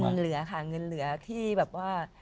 เหลือค่ะเงินเหลือที่แบบว่า